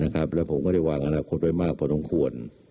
แล้วผมก็ได้วางอนาคตไว้มากพอสมควร